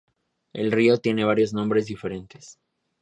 El río tiene varios nombres diferentes.